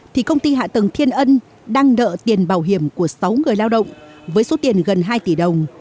thì công ty hạ tầng thiên ân đang nợ tiền bảo hiểm của sáu người lao động với số tiền gần hai tỷ đồng